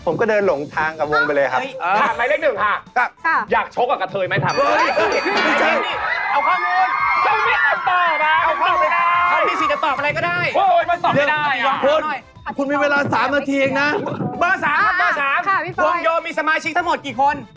เบอร์เป็อสามเบอร์สามวงโยมมีสมาชิกทั้งหมดกี่คน